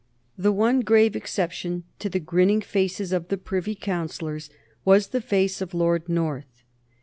The one grave exception to the grinning faces of the Privy Councillors was the face of Lord North.